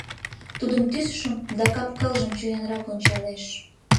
Тудын тӱсшым да кап-кылжым чоянрак ончалеш.